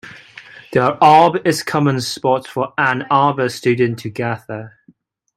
The Arb is a common spot for Ann Arbor's students to gather.